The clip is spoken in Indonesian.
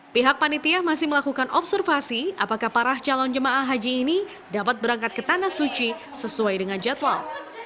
pihak panitia masih melakukan observasi apakah para calon jemaah haji ini dapat berangkat ke tanah suci sesuai dengan jadwal